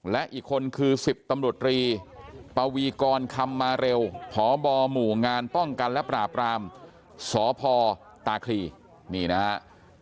และอีกคนคือสิบตำรวจรีปวีกรคำมาเร็วผ่อบอหมู่งานป้องกันและปราบรามสอบภอมเมืองนครสวรรค์ตาคลีนี่นะครับ